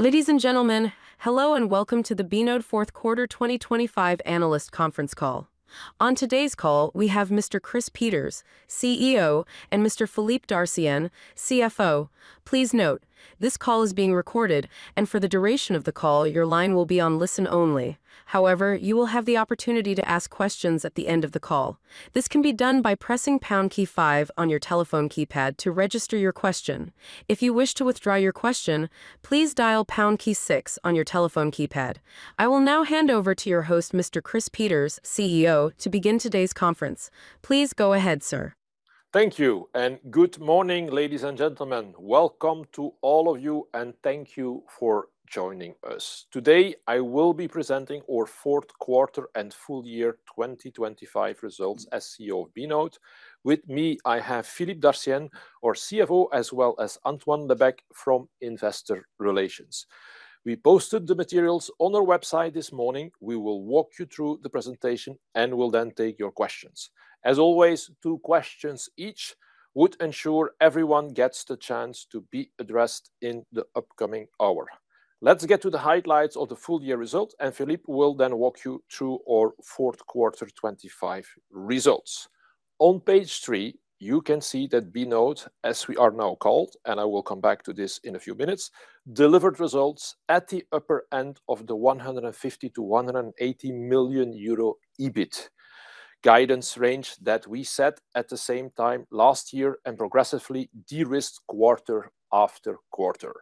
Ladies and gentlemen, hello and welcome to the bpost Fourth Quarter 2025 Analyst Conference Call. On today's call, we have Mr. Chris Peeters, CEO, and Mr. Philippe Dartienne, CFO. Please note, this call is being recorded and for the duration of the call, your line will be on listen only. However, you will have the opportunity to ask questions at the end of the call. This can be done by pressing pound key five on your telephone keypad to register your question. If you wish to withdraw your question, please dial pound key six on your telephone keypad. I will now hand over to your host, Mr. Chris Peeters, CEO, to begin today's conference. Please go ahead, sir. Thank you. Good morning, ladies and gentlemen. Welcome to all of you, and thank you for joining us. Today, I will be presenting our fourth quarter and full year 2025 results as CEO of bpost. With me, I have Philippe Dartienne, our CFO, as well as Antoine Lebecq from Investor Relations. We posted the materials on our website this morning. We will walk you through the presentation and will then take your questions. As always, two questions each would ensure everyone gets the chance to be addressed in the upcoming hour. Let's get to the highlights of the full year results, and Philippe will then walk you through our fourth quarter 2025 results. On Page 3, you can see that bpost, as we are now called, and I will come back to this in a few minutes, delivered results at the upper end of the 150 million-180 million euro EBIT guidance range that we set at the same time last year and progressively de-risked quarter after quarter.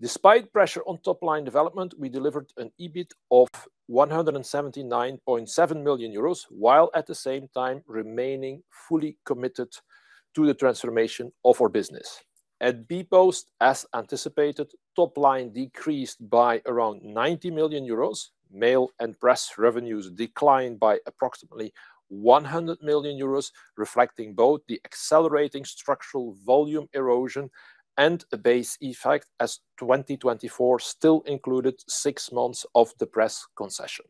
Despite pressure on top line development, we delivered an EBIT of 179.7 million euros, while at the same time remaining fully committed to the transformation of our business. At bpost, as anticipated, top line decreased by around 90 million euros. Mail and press revenues declined by approximately 100 million euros, reflecting both the accelerating structural volume erosion and a base effect as 2024 still included six months of the press concession.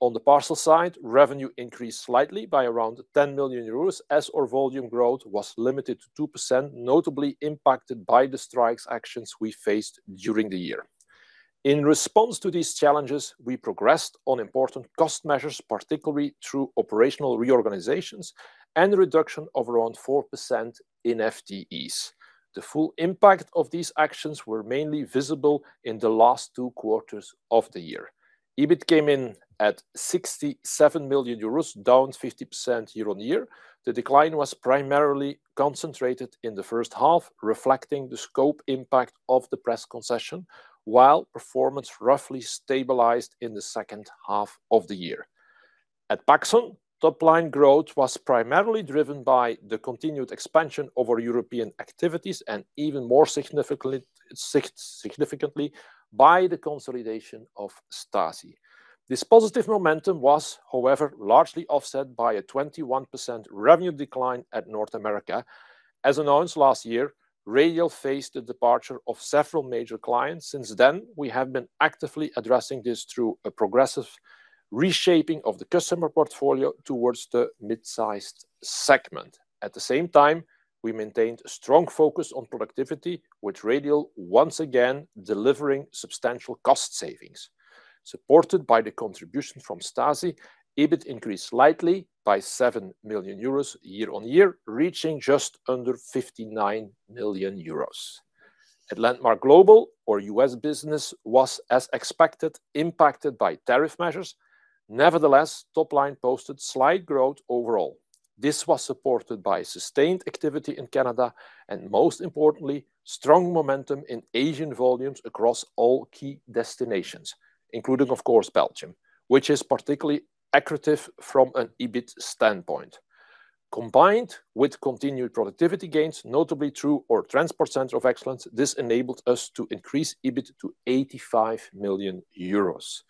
On the parcel side, revenue increased slightly by around 10 million euros as our volume growth was limited to 2%, notably impacted by the strikes actions we faced during the year. In response to these challenges, we progressed on important cost measures, particularly through operational reorganizations and a reduction of around 4% in FTEs. The full impact of these actions were mainly visible in the last two quarters of the year. EBIT came in at 67 million euros, down 50% year-on-year. The decline was primarily concentrated in the first half, reflecting the scope impact of the press concession, while performance roughly stabilized in the second half of the year. At paxon, top line growth was primarily driven by the continued expansion of our European activities and even more significantly by the consolidation of Staci. This positive momentum was, however, largely offset by a 21% revenue decline at North America. As announced last year, Radial faced the departure of several major clients. Since then, we have been actively addressing this through a progressive reshaping of the customer portfolio towards the mid-sized segment. At the same time, we maintained a strong focus on productivity with Radial once again delivering substantial cost savings. Supported by the contribution from Staci, EBIT increased slightly by 7 million euros year-on-year, reaching just under 59 million euros. At Landmark Global, our U.S. business was, as expected, impacted by tariff measures. Nevertheless, top line posted slight growth overall. This was supported by sustained activity in Canada and, most importantly, strong momentum in Asian volumes across all key destinations, including, of course, Belgium, which is particularly accretive from an EBIT standpoint. Combined with continued productivity gains, notably through our Transport Center of Excellence, this enabled us to increase EBIT to 85 million euros.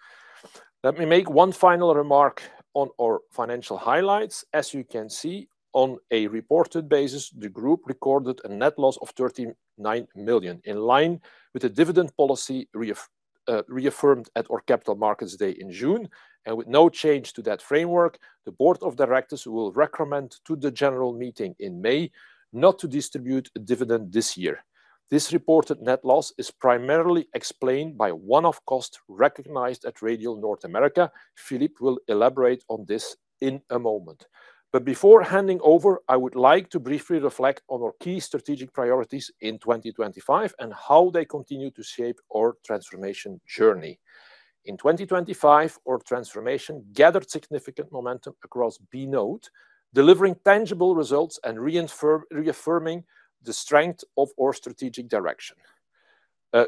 Let me make one final remark on our financial highlights. As you can see, on a reported basis, the group recorded a net loss of 39 million, in line with the dividend policy reaffirmed at our Capital Markets Day in June. With no change to that framework, the board of directors will recommend to the general meeting in May not to distribute a dividend this year. This reported net loss is primarily explained by one-off cost recognized at Radial North America. Philippe will elaborate on this in a moment. Before handing over, I would like to briefly reflect on our key strategic priorities in 2025 and how they continue to shape our transformation journey. In 2025, our transformation gathered significant momentum across bpost, delivering tangible results and reaffirming the strength of our strategic direction.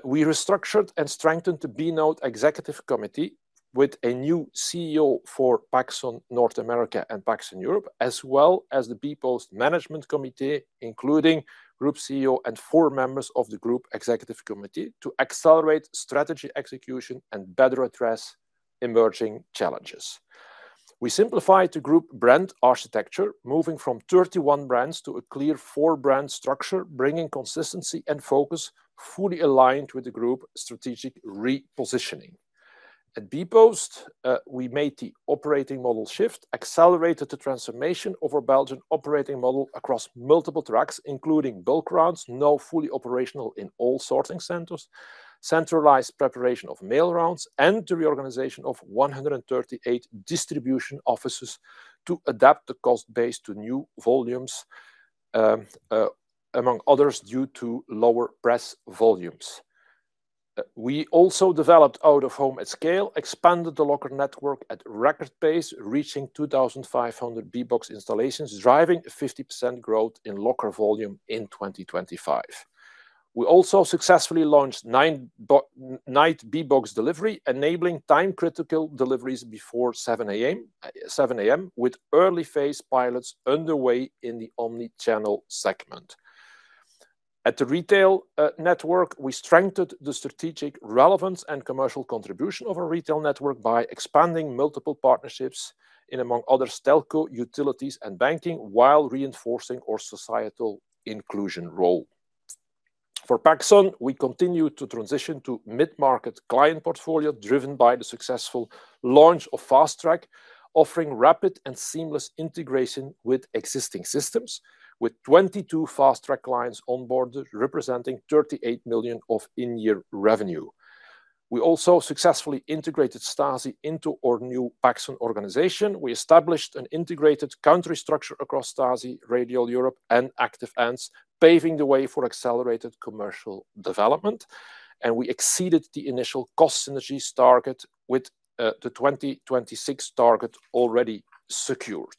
We restructured and strengthened the bpost executive committee with a new CEO for paxon North America and paxon Europe, as well as the bpost management committee, including group CEO and four members of the group executive committee to accelerate strategy execution and better address emerging challenges. We simplified the group brand architecture, moving from 31 brands to a clear four-brand structure, bringing consistency and focus fully aligned with the group strategic repositioning. At bpost, we made the operating model shift accelerated the transformation of our Belgian operating model across multiple tracks, including bulk routes, now fully operational in all sorting centers, centralized preparation of mail routes, and the reorganization of 138 distribution offices to adapt the cost base to new volumes, among others, due to lower press volumes. We also developed out-of-home at scale, expanded the locker network at record pace, reaching 2,500 bbox installations, driving a 50% growth in locker volume in 2025. We also successfully launched Night bbox Delivery, enabling time-critical deliveries before 7:00 A.M., with early phase pilots underway in the omni-channel segment. At the retail network, we strengthened the strategic relevance and commercial contribution of a retail network by expanding multiple partnerships in, among others, telco, utilities and banking, while reinforcing our societal inclusion role. For paxon, we continue to transition to mid-market client portfolio driven by the successful launch of Fast Track, offering rapid and seamless integration with existing systems with 22 Fast Track clients on board, representing 38 million of in-year revenue. We also successfully integrated Staci into our new paxon organization. We established an integrated country structure across Staci, Radial Europe and Active Ants, paving the way for accelerated commercial development. We exceeded the initial cost synergies target with the 2026 target already secured.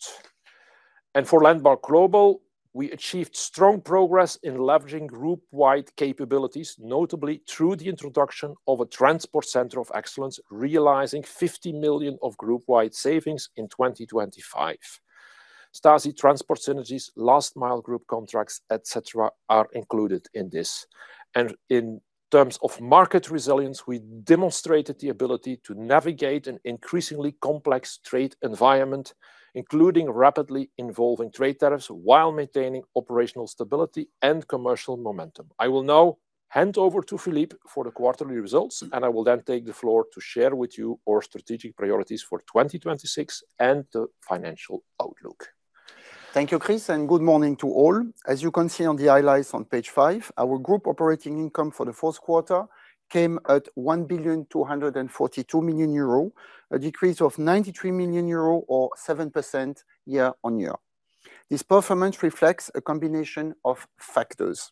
For Landmark Global, we achieved strong progress in leveraging group-wide capabilities, notably through the introduction of a Transport Center of Excellence, realizing 50 million of group-wide savings in 2025. Staci transport synergies, last mile group contracts, et cetera, are included in this. In terms of market resilience, we demonstrated the ability to navigate an increasingly complex trade environment, including rapidly involving trade tariffs while maintaining operational stability and commercial momentum. I will now hand over to Philippe for the quarterly results, and I will then take the floor to share with you our strategic priorities for 2026 and the financial outlook. Thank you, Chris. Good morning to all. As you can see on the highlights on Page 5, our group operating income for the fourth quarter came at 1.242 billion, a decrease of 93 million euro or 7% year-on-year. This performance reflects a combination of factors.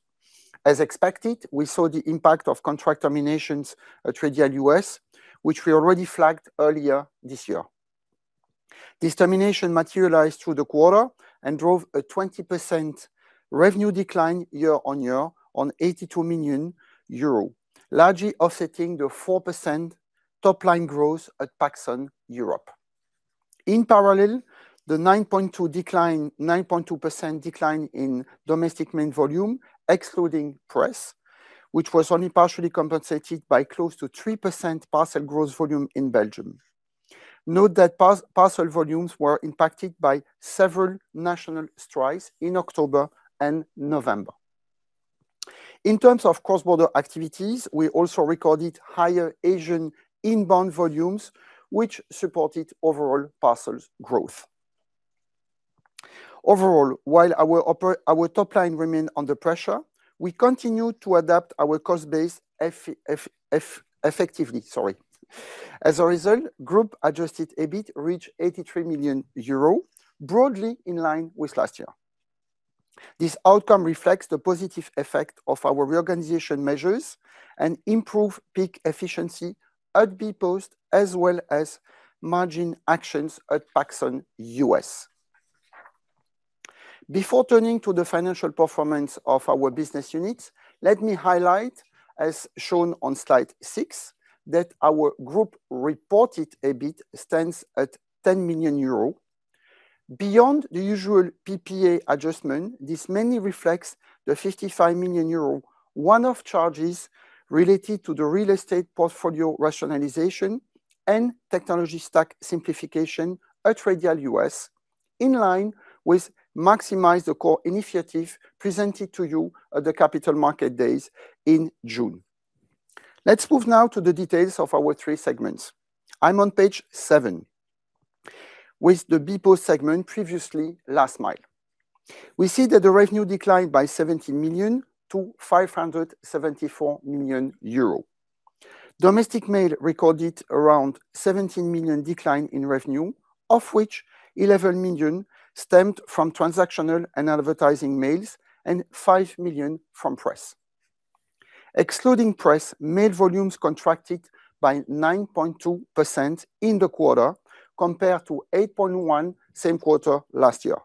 As expected, we saw the impact of contract terminations at Radial U.S., which we already flagged earlier this year. This termination materialized through the quarter and drove a 20% revenue decline year-on-year on 82 million euro, largely offsetting the 4% top-line growth at paxon Europe. Parallel, the 9.2% decline in domestic mail volume, excluding press, which was only partially compensated by close to 3% parcel growth volume in Belgium. Note that parcel volumes were impacted by several national strikes in October and November. In terms of cross-border activities, we also recorded higher Asian inbound volumes, which supported overall parcels growth. Overall, while our top line remain under pressure, we continue to adapt our cost base effectively. Sorry. As a result, group adjusted EBIT reached 83 million euro, broadly in line with last year. This outcome reflects the positive effect of our reorganization measures and improve peak efficiency at bpost as well as margin actions at paxon U.S. Before turning to the financial performance of our business units, let me highlight, as shown on Slide 6, that our group reported EBIT stands at 10 million euros. Beyond the usual PPA adjustment, this mainly reflects the 55 million euro one-off charges related to the real estate portfolio rationalization and technology stack simplification at Radial U.S., in line with Maximize the core initiative presented to you at the Capital Markets Days in June. Let's move now to the details of our three segments. I'm on Page 7. With the bpost segment, previously Last Mile. We see that the revenue declined by 70 million to 574 million euro. Domestic mail recorded around 17 million decline in revenue, of which 11 million stemmed from transactional and advertising mails and 5 million from Press. Excluding Press, mail volumes contracted by 9.2% in the quarter, compared to 8.1% same quarter last year.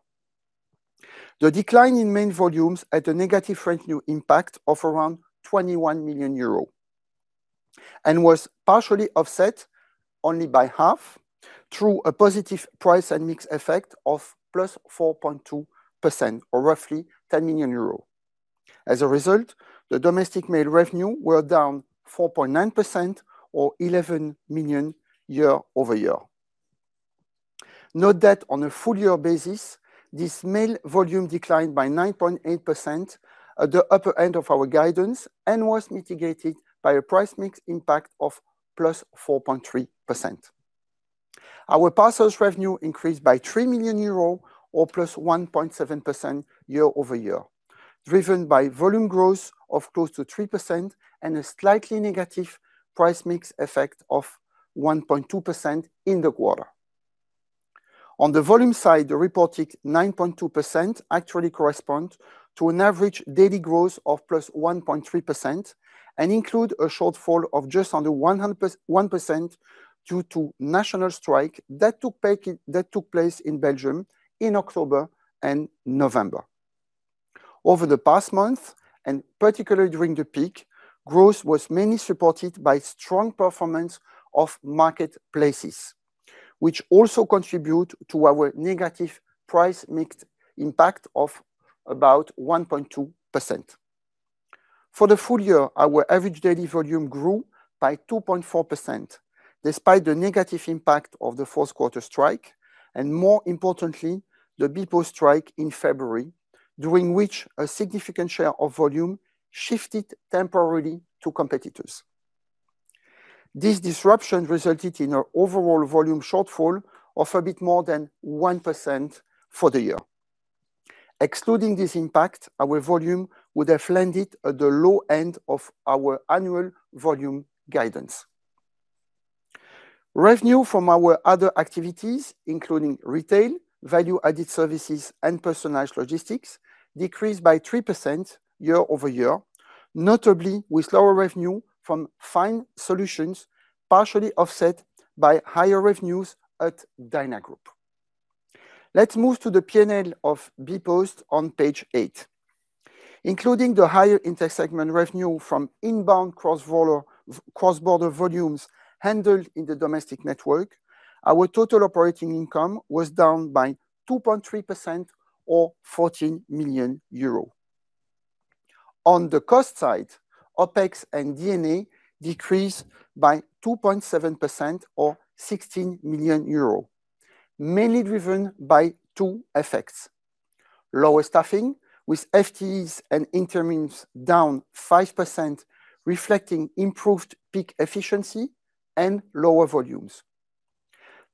The decline in mail volumes at a negative revenue impact of around 21 million euros and was partially offset only by half through a positive price and mixed effect of +4.2% or roughly 10 million euros. As a result, the domestic mail revenue were down 4.9% or EUR 11 million year-over-year. Note that on a full year basis, this mail volume declined by 9.8% at the upper end of our guidance and was mitigated by a price mix impact of +4.3%. Our parcels revenue increased by 3 million euros or +1.7% year-over-year, driven by volume growth of close to 3% and a slightly negative price mix effect of 1.2% in the quarter. On the volume side, the reported 9.2% actually correspond to an average daily growth of +1.3% and include a shortfall of just under 1% due to national strike that took place in Belgium in October and November. Over the past month, particularly during the peak, growth was mainly supported by strong performance of marketplaces, which also contribute to our negative price mixed impact of about 1.2%. For the full year, our average daily volume grew by 2.4%, despite the negative impact of the fourth quarter strike, and more importantly, the bpost strike in February, during which a significant share of volume shifted temporarily to competitors. This disruption resulted in an overall volume shortfall of a bit more than 1% for the year. Excluding this impact, our volume would have landed at the low end of our annual volume guidance. Revenue from our other activities, including retail, value-added services, and personalized logistics, decreased by 3% year-over-year, notably with lower revenue from fine solutions, partially offset by higher revenues at DynaGroup. Let's move to the P&L of bpost on Page 8. Including the higher intersegment revenue from inbound cross-border volumes handled in the domestic network, our total operating income was down by 2.3% or 14 million euro. On the cost side, OpEx and D&A decreased by 2.7% or 16 million euros, mainly driven by two effects: lower staffing with FTEs and interims down 5%, reflecting improved peak efficiency and lower volumes.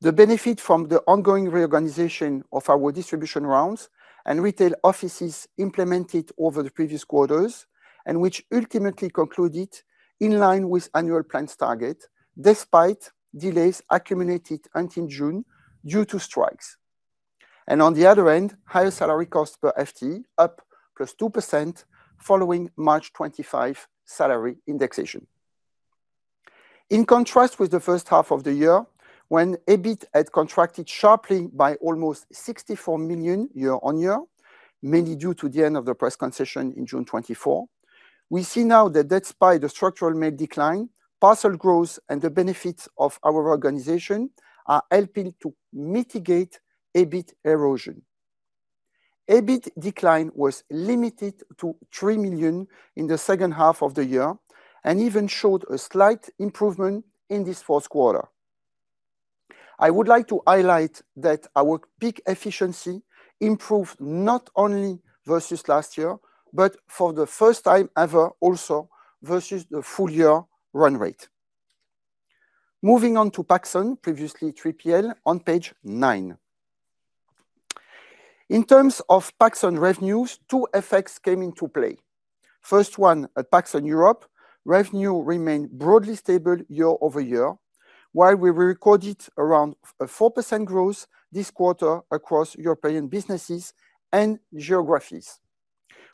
The benefit from the ongoing reorganization of our distribution rounds and retail offices implemented over the previous quarters, and which ultimately concluded in line with annual plans target despite delays accumulated until June due to strikes. On the other end, higher salary costs per FTE up +2% following March 25 salary indexation. In contrast with the first half of the year, when EBIT had contracted sharply by almost 64 million year-on-year, mainly due to the end of the press concession in June 2024, we see now that despite the structural mail decline, parcel growth and the benefits of our organization are helping to mitigate EBIT erosion. EBIT decline was limited to 3 million in the second half of the year and even showed a slight improvement in this fourth quarter. I would like to highlight that our peak efficiency improved not only versus last year, but for the first time ever, also versus the full year run rate. Moving on to paxon, previously 3PL, on Page 9. In terms of paxon revenues, two effects came into play. First one, at paxon Europe, revenue remained broadly stable year-over-year, while we recorded around a 4% growth this quarter across European businesses and geographies,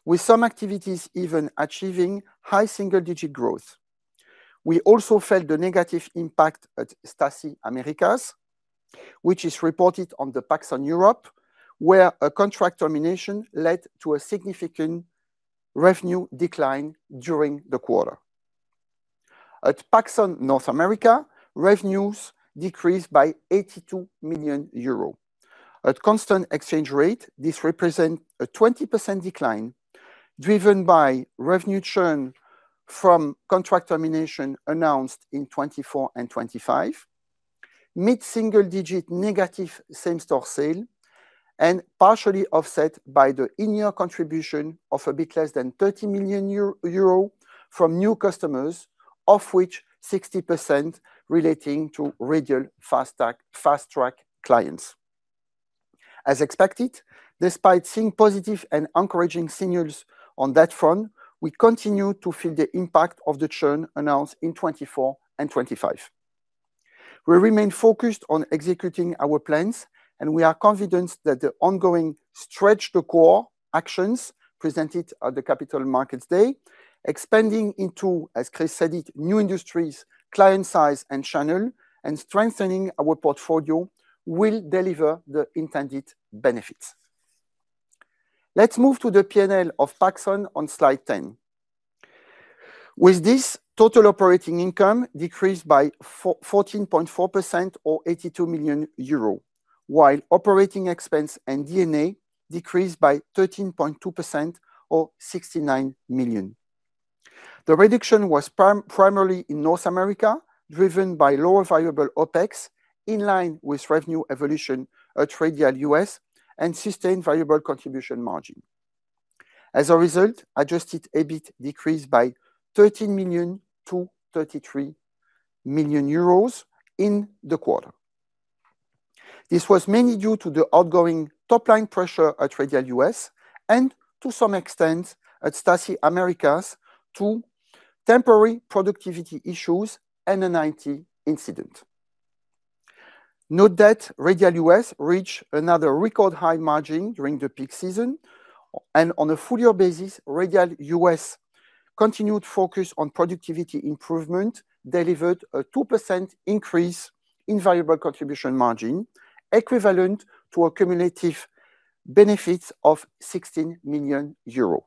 with some activities even achieving high single-digit growth. We also felt the negative impact at Staci Americas, which is reported on the paxon Europe, where a contract termination led to a significant revenue decline during the quarter. At paxon North America, revenues decreased by 82 million euros. At constant exchange rate, this represent a 20% decline driven by revenue churn from contract termination announced in 2024 and 2025, mid-single-digit negative Same Store Sales, and partially offset by the in-year contribution of a bit less than 30 million euro from new customers, of which 60% relating to Radial Fast Track clients. As expected, despite seeing positive and encouraging signals on that front, we continue to feel the impact of the churn announced in 2024 and 2025. We are confident that the ongoing stretch to core actions presented at the Capital Markets Day, expanding into, as Chris said it, new industries, client size and channel, and strengthening our portfolio will deliver the intended benefits. Let's move to the P&L of paxon on Slide 10. With this, total operating income decreased by 14.4% or 82 million euro, while operating expense and D&A decreased by 13.2% or 69 million. The reduction was primarily in North America, driven by lower variable OpEx, in line with revenue evolution at Radial U.S. and sustained variable contribution margin. As a result, adjusted EBIT decreased by 13 million to 33 million euros in the quarter. This was mainly due to the ongoing top-line pressure at Radial U.S. and to some extent at Staci Americas to temporary productivity issues and an IT incident. Note that Radial U.S. reached another record high margin during the peak season. On a full year basis, Radial U.S. continued focus on productivity improvement delivered a 2% increase in variable contribution margin, equivalent to a cumulative benefits of 16 million euro.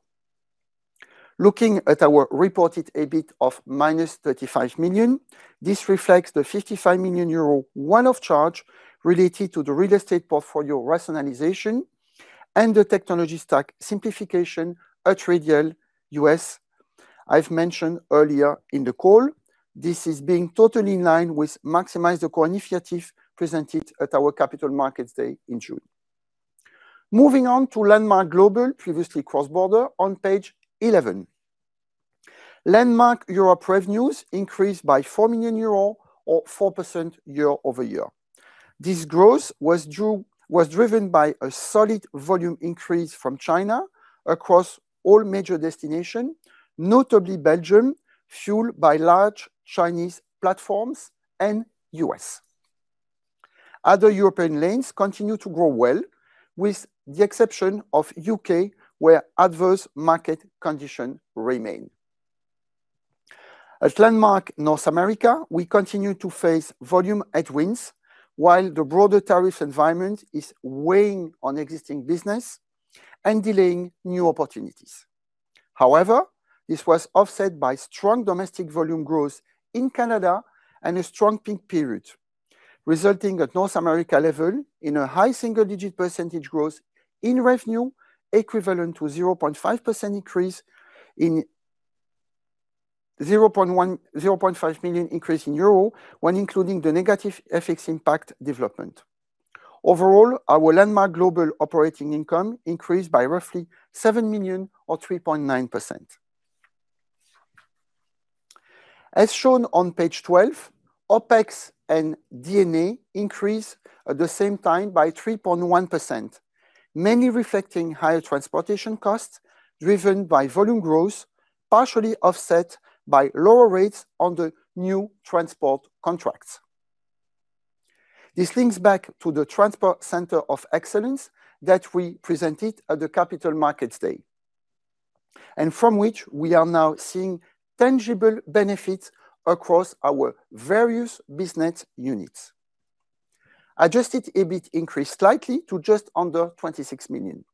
Looking at our reported EBIT of minus 35 million, this reflects the 55 million euro one-off charge related to the real estate portfolio rationalization and the technology stack simplification at Radial U.S. I've mentioned earlier in the call, this is being totally in line with Maximize the core initiative presented at our Capital Markets Day in June. Moving on to Landmark Global, previously CrossBorder on Page 11. Landmark Europe revenues increased by 4 million euros or 4% year-over-year. This growth was driven by a solid volume increase from China across all major destinations, notably Belgium, fueled by large Chinese platforms and U.S. Other European lanes continue to grow well, with the exception of U.K., where adverse market conditions remain. At Landmark North America, we continue to face volume headwinds, while the broader tariff environment is weighing on existing business and delaying new opportunities. This was offset by strong domestic volume growth in Canada and a strong peak period, resulting at North America level in a high single-digit percentage growth in revenue, equivalent to 0.5% increase in 0.5 million increase when including the negative FX impact development. Overall, our Landmark Global operating income increased by roughly 7 million or 3.9%. As shown on Page 12, OpEx and D&A increased at the same time by 3.1%, mainly reflecting higher transportation costs driven by volume growth, partially offset by lower rates on the new transport contracts. This links back to the Transport Center of Excellence that we presented at the Capital Markets Day, from which we are now seeing tangible benefits across our various business units. Adjusted EBIT increased slightly to just under 26 million.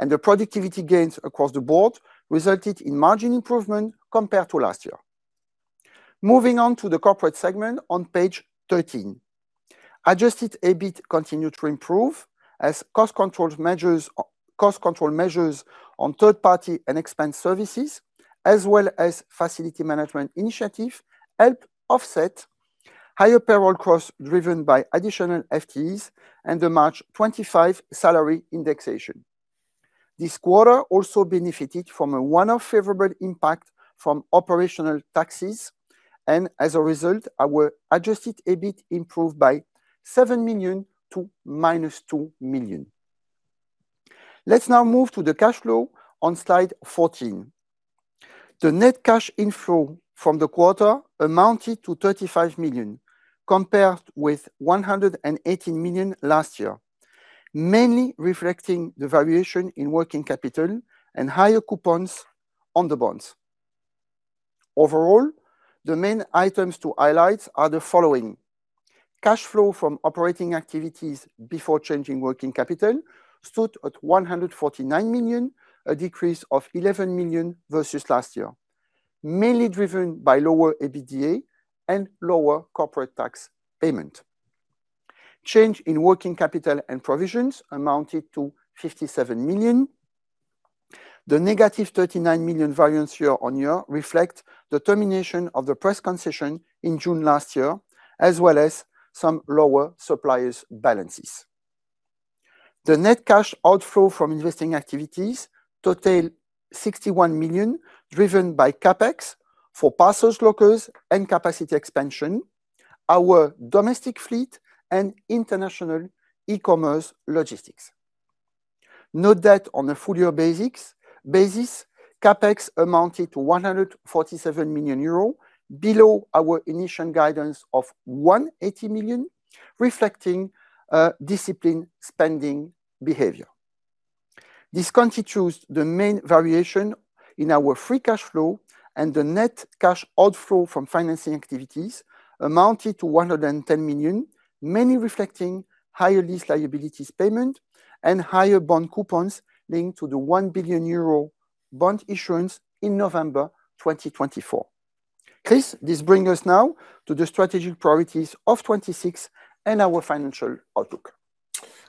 The productivity gains across the board resulted in margin improvement compared to last year. Moving on to the corporate segment on Page 13. Adjusted EBIT continued to improve as cost control measures on third party and expense services as well as facility management initiative helped offset higher payroll costs driven by additional FTEs and the March 25 salary indexation. This quarter also benefited from a one of favorable impact from operational taxes. As a result, our adjusted EBIT improved by 7 million to minus 2 million. Let's now move to the cash flow on Slide 14. The net cash inflow from the quarter amounted to 35 million, compared with 118 million last year, mainly reflecting the variation in working capital and higher coupons on the bonds. Overall, the main items to highlight are the following. Cash flow from operating activities before changing working capital stood at 149 million, a decrease of 11 million versus last year, mainly driven by lower EBITDA and lower corporate tax payment. Change in working capital and provisions amounted to 57 million. The negative 39 million variance year-over-year reflect the termination of the press concession in June last year, as well as some lower suppliers balances. The net cash outflow from investing activities total 61 million, driven by CapEx for parcels, lockers and capacity expansion, our domestic fleet and international e-commerce logistics. Note that on a full year basis, CapEx amounted to 147 million euros, below our initial guidance of 180 million, reflecting disciplined spending behavior. This constitutes the main variation in our free cash flow. The net cash outflow from financing activities amounted to 110 million, mainly reflecting higher lease liabilities payment and higher bond coupons linked to the 1 billion euro bond issuance in November 2024. Chris, this bring us now to the strategic priorities of 2026 and our financial outlook.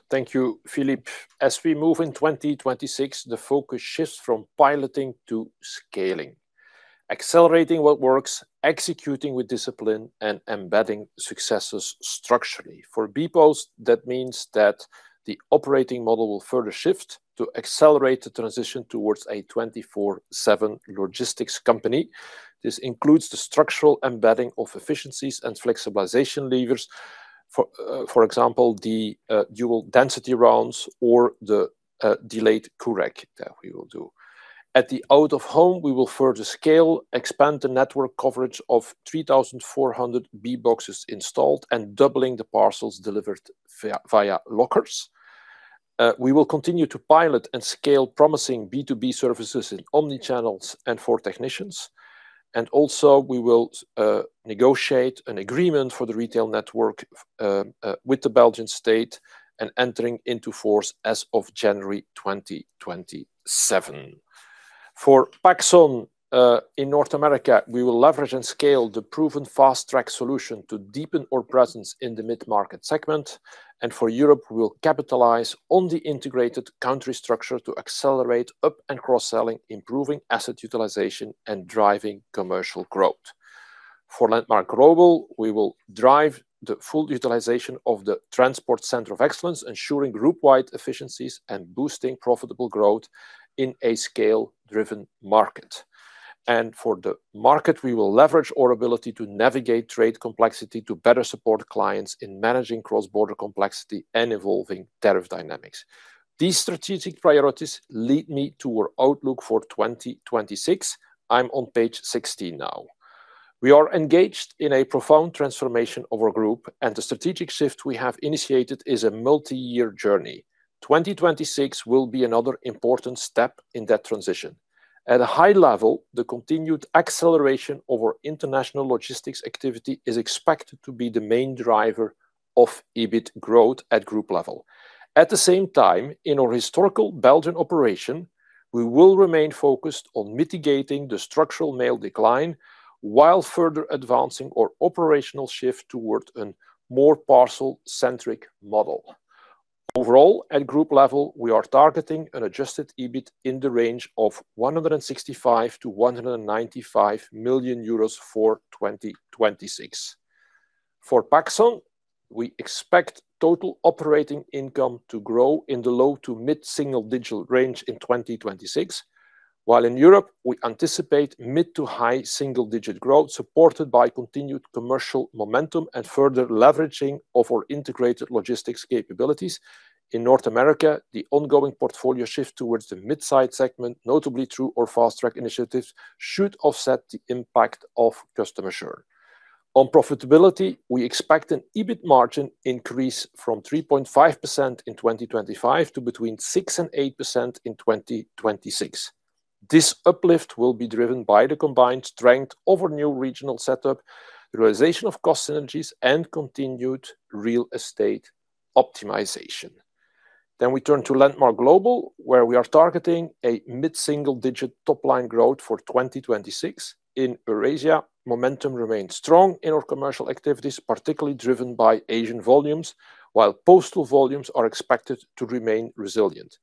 Thank you, Philippe. As we move in 2026, the focus shifts from piloting to scaling. Accelerating what works, executing with discipline, and embedding successes structurally. For bpost, that means that the operating model will further shift to accelerate the transition towards a 24/7 logistics company. This includes the structural embedding of efficiencies and flexibilization levers. For example, the dual density rounds or the delayed [CURAIC] that we will do. At the out-of-home, we will further scale, expand the network coverage of 3,400 bboxes installed and doubling the parcels delivered via lockers. We will continue to pilot and scale promising B2B services in omni-channels and for technicians. Also, we will negotiate an agreement for the retail network with the Belgian state and entering into force as of January 2027. For paxon, in North America, we will leverage and scale the proven Fast Track solution to deepen our presence in the mid-market segment. For Europe, we will capitalize on the integrated country structure to accelerate up and cross-selling, improving asset utilization, and driving commercial growth. For Landmark Global, we will drive the full utilization of the Transport Center of Excellence, ensuring group-wide efficiencies and boosting profitable growth in a scale-driven market. For the market, we will leverage our ability to navigate trade complexity to better support clients in managing cross-border complexity and evolving tariff dynamics. These strategic priorities lead me to our outlook for 2026. I'm on Page 16 now. We are engaged in a profound transformation of our group. The strategic shift we have initiated is a multi-year journey. 2026 will be another important step in that transition. At a high level, the continued acceleration of our international logistics activity is expected to be the main driver of EBIT growth at group level. In our historical Belgian operation, we will remain focused on mitigating the structural mail decline while further advancing our operational shift towards a more parcel-centric model. Overall, at group level, we are targeting an adjusted EBIT in the range of 165 million-195 million euros for 2026. For paxon, we expect total operating income to grow in the low to mid-single digit range in 2026. In Europe, we anticipate mid to high single digit growth, supported by continued commercial momentum and further leveraging of our integrated logistics capabilities. In North America, the ongoing portfolio shift towards the mid-size segment, notably through our Fast Track initiatives, should offset the impact of customer churn. On profitability, we expect an EBIT margin increase from 3.5% in 2025 to between 6% and 8% in 2026. This uplift will be driven by the combined strength of our new regional setup, realization of cost synergies, and continued real estate optimization. We turn to Landmark Global, where we are targeting a mid-single-digit top-line growth for 2026. In Eurasia, momentum remains strong in our commercial activities, particularly driven by Asian volumes, while postal volumes are expected to remain resilient.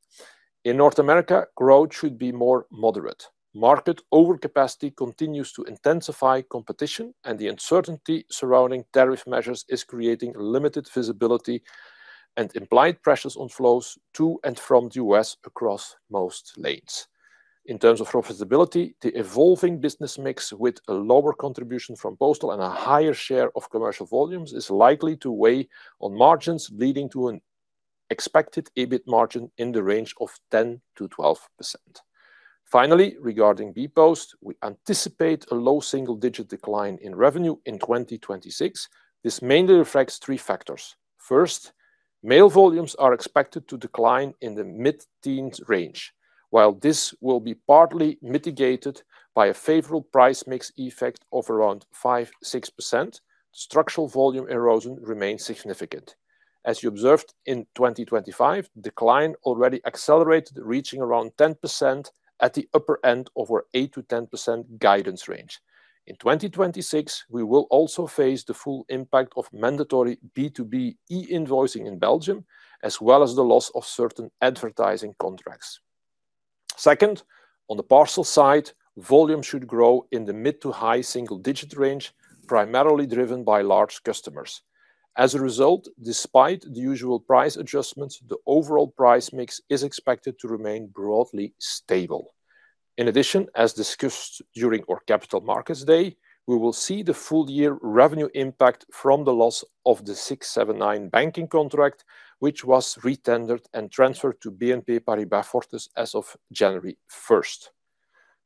In North America, growth should be more moderate. Market overcapacity continues to intensify competition, and the uncertainty surrounding tariff measures is creating limited visibility and implied pressures on flows to and from the U.S. across most lanes. In terms of profitability, the evolving business mix with a lower contribution from postal and a higher share of commercial volumes is likely to weigh on margins, leading to an expected EBIT margin in the range of 10%-12%. Regarding bpost, we anticipate a low single-digit decline in revenue in 2026. This mainly reflects three factors. Mail volumes are expected to decline in the mid-teens range. While this will be partly mitigated by a favorable price mix effect of around 5%-6%, structural volume erosion remains significant. As you observed in 2025, decline already accelerated, reaching around 10% at the upper end of our 8%-10% guidance range. In 2026, we will also face the full impact of mandatory B2B e-invoicing in Belgium, as well as the loss of certain advertising contracts. Second, on the parcel side, volume should grow in the mid-to-high single-digit range, primarily driven by large customers. As a result, despite the usual price adjustments, the overall price mix is expected to remain broadly stable. In addition, as discussed during our Capital Markets Day, we will see the full year revenue impact from the loss of the six, seven, nine banking contract, which was re-tendered and transferred to BNP Paribas Fortis as of January 1st.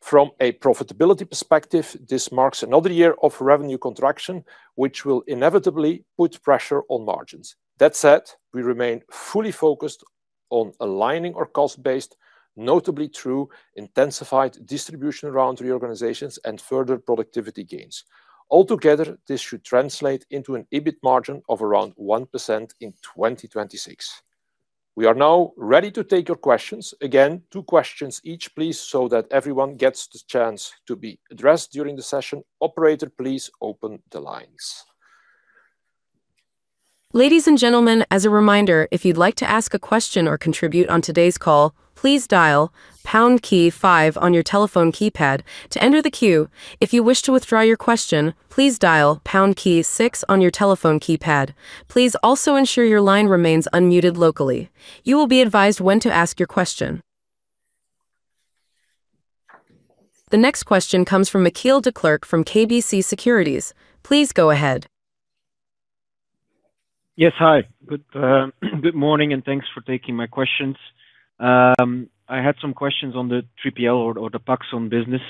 From a profitability perspective, this marks another year of revenue contraction, which will inevitably put pressure on margins. That said, we remain fully focused on aligning our cost base, notably through intensified distribution around reorganizations and further productivity gains. Altogether, this should translate into an EBIT margin of around 1% in 2026. We are now ready to take your questions. Again, two questions each, please, so that everyone gets the chance to be addressed during the session. Operator, please open the lines. Ladies and gentlemen, as a reminder, if you'd like to ask a question or contribute on today's call, please dial #key five on your telephone keypad to enter the queue. If you wish to withdraw your question, please dial #key six on your telephone keypad. Please also ensure your line remains unmuted locally. You will be advised when to ask your question. The next question comes from Michiel Declercq from KBC Securities. Please go ahead. Yes. Hi. Good morning, thanks for taking my questions. I had some questions on the 3PL or the paxon business.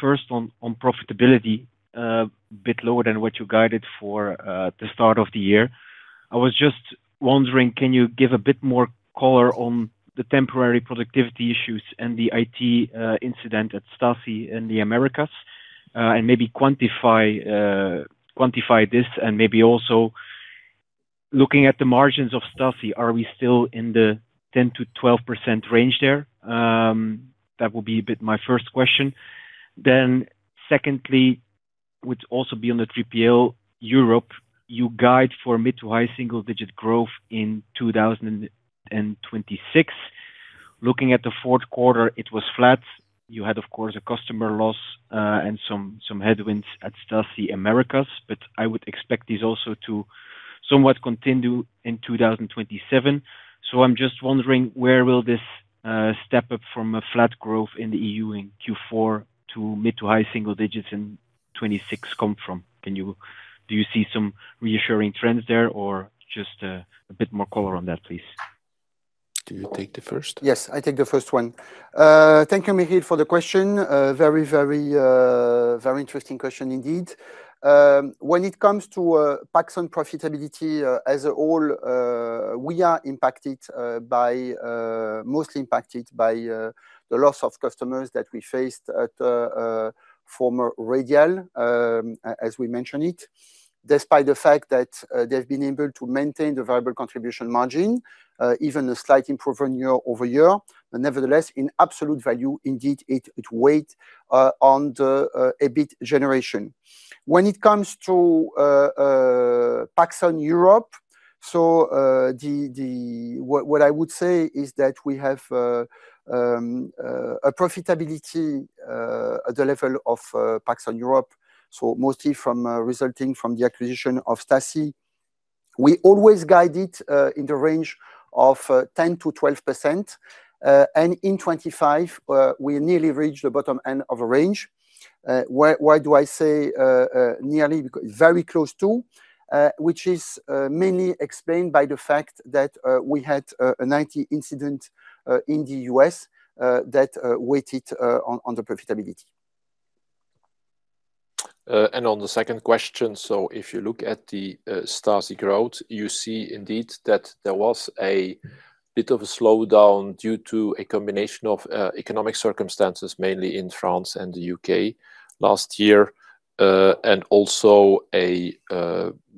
First on profitability, a bit lower than what you guided for the start of the year. I was just wondering, can you give a bit more color on the temporary productivity issues and the IT incident at Staci Americas, and maybe quantify this and maybe also looking at the margins of Staci. Are we still in the 10%-12% range there? That would be a bit my first question. Secondly, would also be on the 3PL Europe, you guide for mid to high single digit growth in 2026. Looking at the fourth quarter, it was flat. You had, of course, a customer loss, and some headwinds at Staci Americas, but I would expect these also to somewhat continue in 2027. I'm just wondering where will this step up from a flat growth in the E.U. in Q4 to mid to high single digits in 2026 come from? Do you see some reassuring trends there or just a bit more color on that, please? Do you take the first? Yes, I take the first one. Thank you, Michiel, for the question. A very, very interesting question indeed. When it comes to paxon profitability as a whole, we are impacted by mostly impacted by the loss of customers that we faced at former Radial, as we mentioned it. Despite the fact that they've been able to maintain the variable contribution margin, even a slight improvement year-over-year. Nevertheless, in absolute value, indeed it weighed on the EBIT generation. When it comes to paxon Europe, what I would say is that we have a profitability at the level of paxon Europe, mostly from resulting from the acquisition of Staci. We always guide it in the range of 10%-12%. In 2025, we nearly reached the bottom end of a range. Why do I say nearly? Very close to, which is mainly explained by the fact that we had an IT incident in the U.S. that weighed it on the profitability. On the second question, if you look at the Staci growth, you see indeed that there was a bit of a slowdown due to a combination of economic circumstances, mainly in France and the U.K. last year. Also a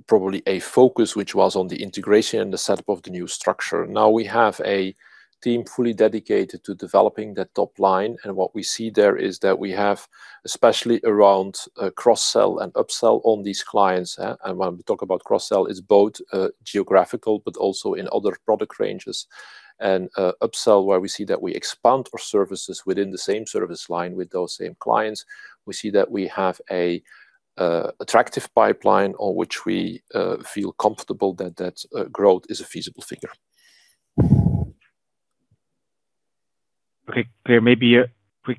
probably a focus which was on the integration and the setup of the new structure. Now we have a team fully dedicated to developing that top line. What we see there is that we have, especially around cross-sell and upsell on these clients. When we talk about cross-sell, it's both geographical, but also in other product ranges. Upsell, where we see that we expand our services within the same service line with those same clients. We see that we have a attractive pipeline on which we feel comfortable that growth is a feasible figure. Okay. There may be a quick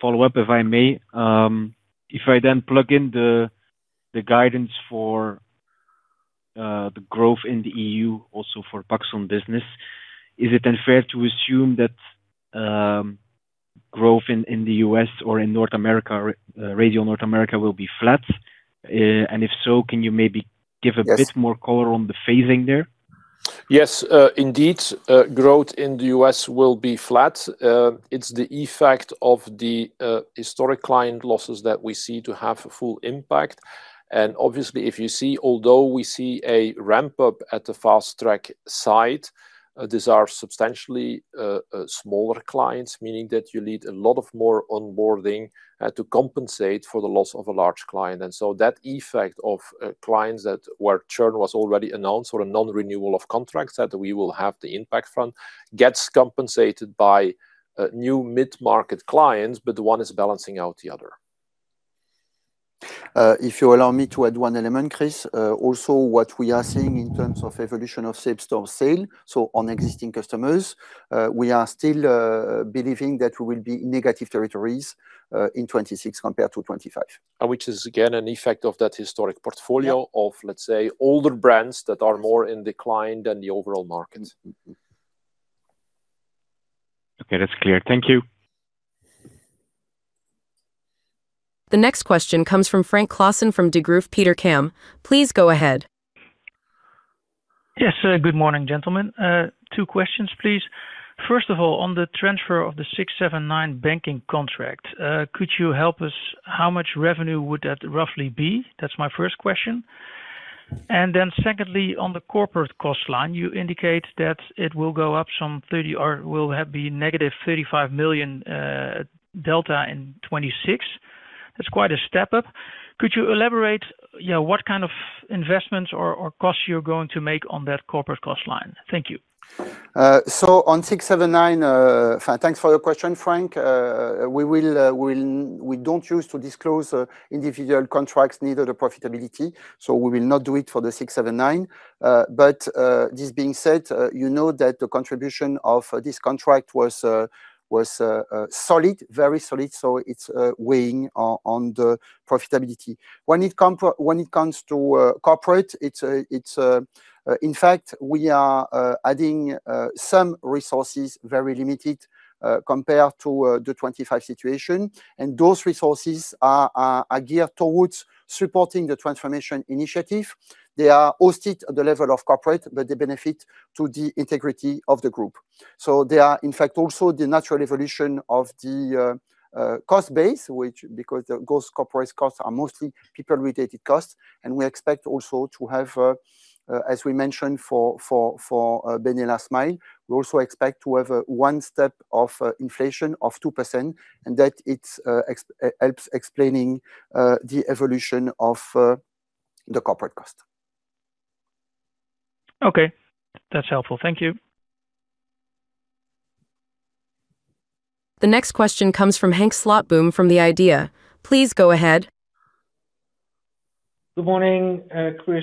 follow-up, if I may. If I then plug in the guidance for the growth in the E.U. also for paxon business, is it then fair to assume that growth in the U.S. or in North America, or Radial North America will be flat? If so, can you maybe give a bit more color on the phasing there? Yes, indeed, growth in the U.S. will be flat. It's the effect of the historic client losses that we see to have a full impact. Obviously, if you see, although we see a ramp-up at the Fast Track side, these are substantially smaller clients, meaning that you need a lot of more onboarding to compensate for the loss of a large client. That effect of clients that were churn was already announced or a non-renewal of contracts that we will have the impact from, gets compensated by new mid-market clients, but one is balancing out the other. If you allow me to add one element, Chris. Also what we are seeing in terms of evolution of Same Store Sale, so on existing customers, we are still believing that we will be in negative territories, in 2026 compared to 2025. Which is again, an effect of that historic portfolio of, let's say, older brands that are more in decline than the overall market. Okay. That's clear. Thank you. The next question comes from Frank Claassen from Degroof Petercam. Please go ahead. Yes. Good morning, gentlemen. Two questions, please. First of all, on the transfer of the six, seven, nine banking contract, could you help us how much revenue would that roughly be? That's my first question. Secondly, on the corporate cost line, you indicate that it will go up some 30 million or will be negative 35 million delta in 2026. That's quite a step up. Could you elaborate, you know, what kind of investments or costs you're going to make on that corporate cost line? Thank you. On six, seven, nine, thanks for the question, Frank. We will, we don't choose to disclose individual contracts nor the profitability, so we will not do it for the six seven nine. This being said, you know that the contribution of this contract was solid, very solid, so it's weighing on the profitability. When it comes to corporate, it's, in fact, we are adding some resources, very limited, compared to the 2025 situation. Those resources are geared towards supporting the transformation initiative. They are hosted at the level of corporate, but they benefit to the integrity of the group. They are, in fact, also the natural evolution of the cost base, which because those corporate costs are mostly people-related costs, and we expect also to have, as we mentioned, for Benelux Mail, we also expect to have a one step of inflation of 2%, and that it helps explaining the evolution of the corporate cost. Okay. That's helpful. Thank you. The next question comes from Henk Slotboom from The Idea. Please go ahead. Good morning, Chris,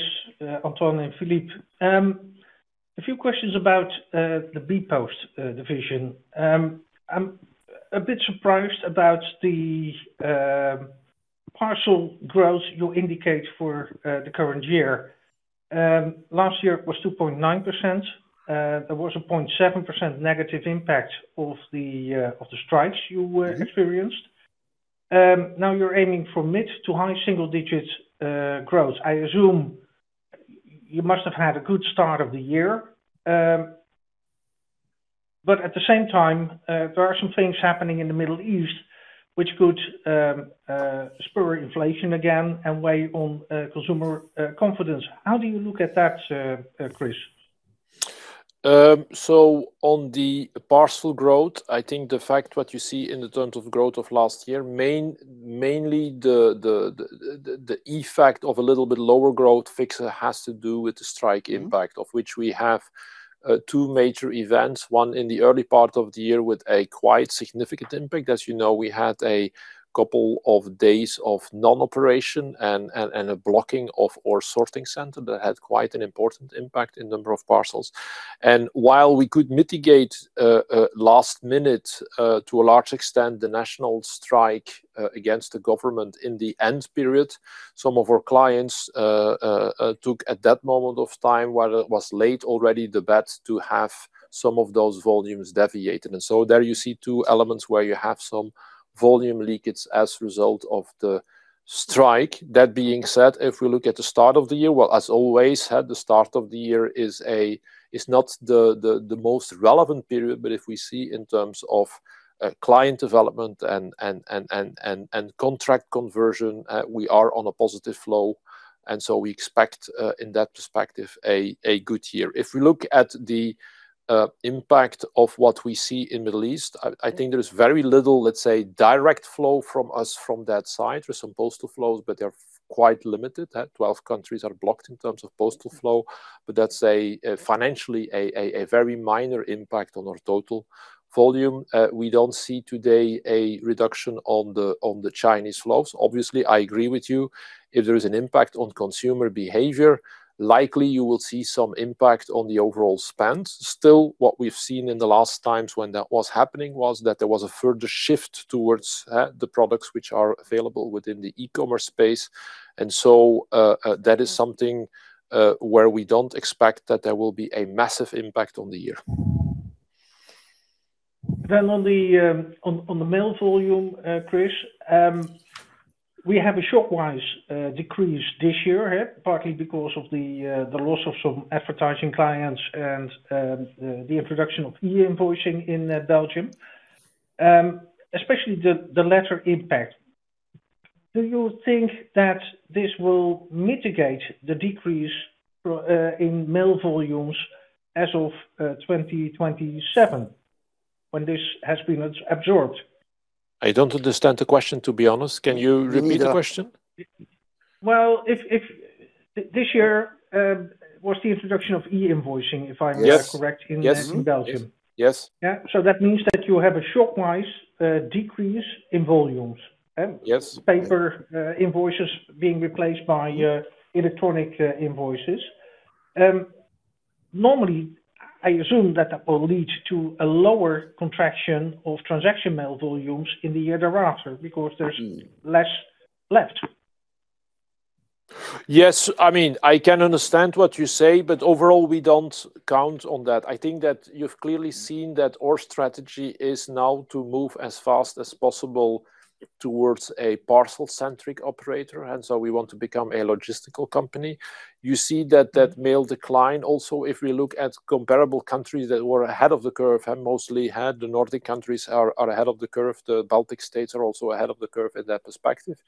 Antoine, and Philippe. A few questions about the bpost division. I'm a bit surprised about the parcel growth you indicate for the current year. Last year it was 2.9%. There was a 0.7% negative impact of the strikes you experienced. Now you're aiming for mid to high single digits growth. I assume you must have had a good start of the year. At the same time, there are some things happening in the Middle East which could spur inflation again and weigh on consumer confidence. How do you look at that, Chris? On the parcel growth, I think the fact what you see in the terms of growth of last year, mainly the effect of a little bit lower growth fixer has to do with the strike impact of which we have two major events. One in the early part of the year with a quite significant impact. As you know, we had a couple of days of non-operation and a blocking of our sorting center that had quite an important impact in number of parcels. While we could mitigate last minute to a large extent the national strike against the government in the end period, some of our clients took at that moment of time, while it was late already, the bet to have some of those volumes deviated. There you see two elements where you have some volume leakage as result of the strike. That being said, if we look at the start of the year, well, as always, at the start of the year is not the most relevant period. If we see in terms of client development and contract conversion, we are on a positive flow. We expect in that perspective, a good year. If we look at the impact of what we see in Middle East, I think there is very little, let's say, direct flow from us from that side. There's some postal flows, but they're quite limited, 12 countries are blocked in terms of postal flow, but that's a financially, a very minor impact on our total volume. We don't see today a reduction on the Chinese flows. Obviously, I agree with you. If there is an impact on consumer behavior, likely you will see some impact on the overall spend. Still, what we've seen in the last times when that was happening was that there was a further shift towards the products which are available within the e-commerce space. That is something where we don't expect that there will be a massive impact on the year. On the mail volume, Chris, we have a sharp wise decrease this year, partly because of the loss of some advertising clients and the introduction of e-invoicing in Belgium. Especially the latter impact. Do you think that this will mitigate the decrease in mail volumes as of 2027 when this has been absorbed? I don't understand the question, to be honest. Can you repeat the question? If this year was the introduction of e-invoicing, if I am correct in Belgium. Yes. Yeah. That means that you have a sharp wise decrease in volumes. Paper invoices being replaced by electronic invoices. Normally, I assume that that will lead to a lower contraction of transaction mail volumes in the year thereafter because there's less left. I mean, I can understand what you say. Overall, we don't count on that. I think that you've clearly seen that our strategy is now to move as fast as possible towards a parcel-centric operator. We want to become a logistical company. You see that that mail decline also, if we look at comparable countries that were ahead of the curve, mostly, the Nordic countries are ahead of the curve. The Baltic states are also ahead of the curve in that perspective.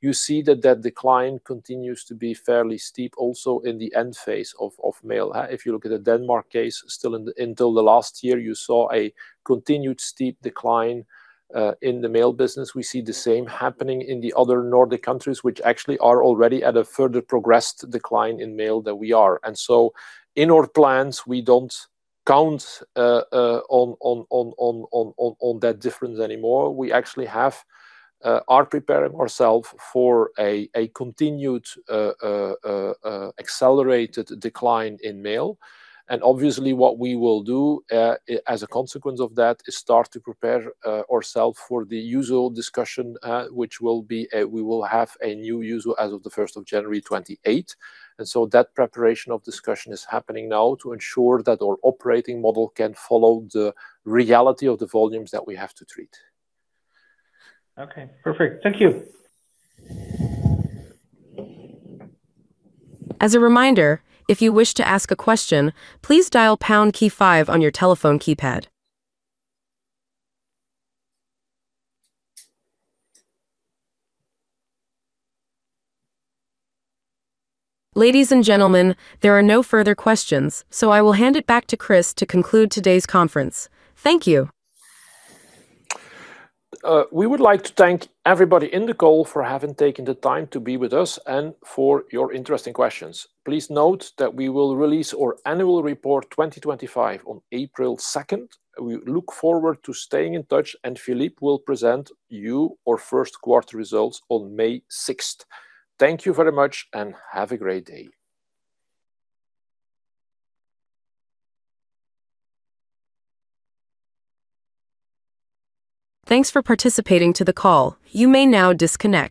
You see that that decline continues to be fairly steep also in the end phase of mail. If you look at the Denmark case, still until the last year, you saw a continued steep decline in the mail business. We see the same happening in the other Nordic countries, which actually are already at a further progressed decline in mail than we are. In our plans, we don't count on that difference anymore. We actually have are preparing ourself for a continued accelerated decline in mail. Obviously, what we will do as a consequence of that is start to prepare ourself for the usual discussion, which will be, we will have a new usual as of the 1st of January 2028. That preparation of discussion is happening now to ensure that our operating model can follow the reality of the volumes that we have to treat. Okay. Perfect. Thank you. As a reminder, if you wish to ask a question, please dial pound key five on your telephone keypad. Ladies and gentlemen, there are no further questions, I will hand it back to Chris to conclude today's conference. Thank you. We would like to thank everybody in the call for having taken the time to be with us and for your interesting questions. Please note that we will release our annual report 2025 on April 2nd. We look forward to staying in touch. Philippe will present you our first quarter results on May 6th. Thank you very much and have a great day. Thanks for participating to the call. You may now disconnect.